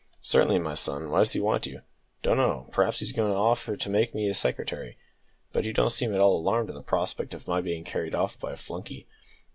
"Certainly, my son; why does he want you?" "Don't know. P'raps he's goin' to offer to make me his secretary. But you don't seem at all alarmed at the prospect of my being carried off by a flunkey."